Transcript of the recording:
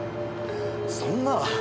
そんな。